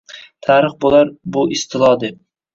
Tarix boʼlar bu istilo deb.